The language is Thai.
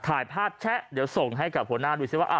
ถ่ายภาพแชะเดี๋ยวส่งให้กับหัวหน้าดูซิว่า